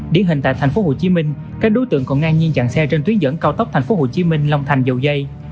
điển hình tại tp hcm các đối tượng còn ngang nhiên chặn xe trên tuyến dẫn cao tốc tp hcm long thành dầu dây